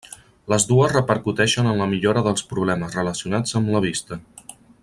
Les dues repercuteixen en la millora dels problemes relacionats amb la vista.